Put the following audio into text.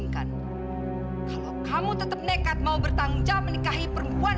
kami tidak bisa melakukan